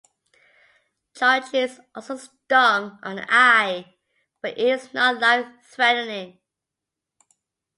Charge is also stung on the eye but it is not life threatening.